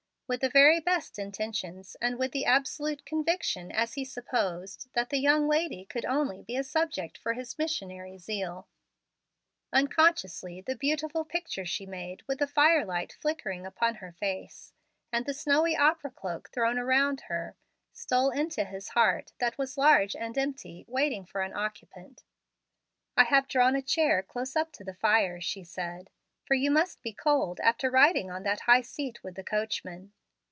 With the very best intentions and with the absolute conviction, as he supposed, that the young lady could only be a subject for his missionary zeal, unconsciously the beautiful picture she made with the firelight flickering upon her face, and the snowy opera cloak thrown around her, stole into his heart that was large and empty, waiting for an occupant. "I have drawn a chair close up to the fire," she said, "for you must be cold after riding on that high seat with the coachman."